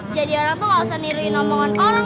jadi orang tuh gak usah niruin omongan orang